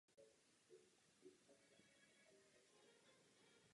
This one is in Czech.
Osmdesát procent Evropanů jsou křesťané.